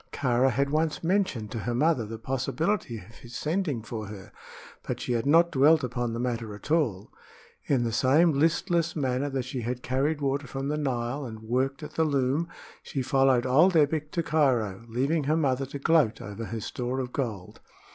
Kāra had once mentioned to her mother the possibility of his sending for her; but she had not dwelt upon the matter at all. In the same listless manner that she had carried water from the Nile and worked at the loom she followed old Ebbek to Cairo, leaving her mother to gloat over her store of gold.